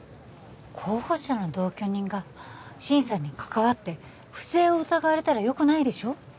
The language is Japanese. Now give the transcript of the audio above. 候補者の同居人が審査に関わって不正を疑われたらよくないでしょ